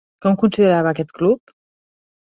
Com considerava aquest club?